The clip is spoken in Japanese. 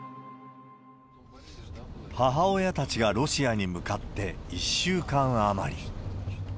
母親たちがロシアに向かって１週間余り。